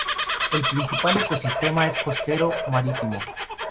El principal ecosistema es costero marítimo.